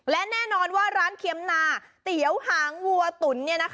และแน่นอนว่าร้านเคียมนาเตี๋ยวหางวัวตุ๋น